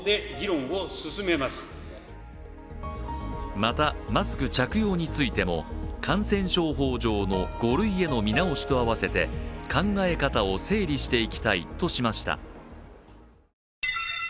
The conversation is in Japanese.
また、マスク着用についても感染症法上の５類への見直しと併せて考え方を整理していきたいとしました。